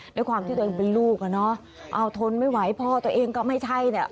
ด้วยความที่ตัวเองเป็นลูกอ่ะเนอะเอาทนไม่ไหวพ่อตัวเองก็ไม่ใช่เนี่ย